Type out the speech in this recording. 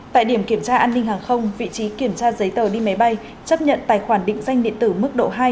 tại điểm kiểm tra an ninh hàng không vị trí kiểm tra giấy tờ đi máy bay chấp nhận tài khoản định danh điện tử mức độ hai